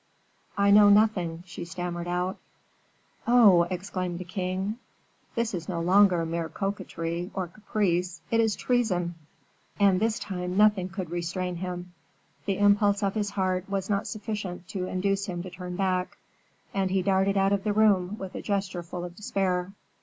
"I know nothing," she stammered out. "Oh!" exclaimed the king, "this is no longer mere coquetry, or caprice, it is treason." And this time nothing could restrain him. The impulse of his heart was not sufficient to induce him to turn back, and he darted out of the room with a gesture full of despair.